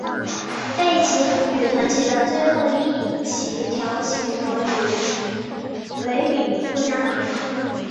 背鳍与臀鳍的最后一鳍条鳍膜与尾柄不相连。